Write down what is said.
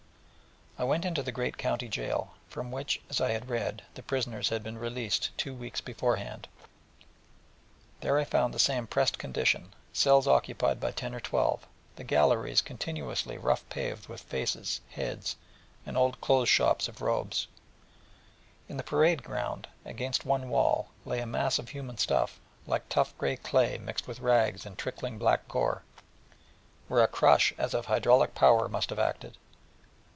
I went into the great County Gaol, from which, as I had read, the prisoners had been released two weeks before hand, and there I found the same pressed condition, cells occupied by ten or twelve, the galleries continuously rough paved with faces, heads, and old clothes shops of robes; and in the parade ground, against one wall, a mass of human stuff, like tough grey clay mixed with rags and trickling black gore, where a crush as of hydraulic power must have acted.